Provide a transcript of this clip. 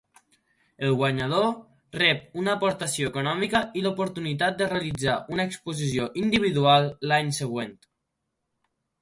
El guanyador rep una aportació econòmica i l’oportunitat de realitzar una exposició individual l’any següent.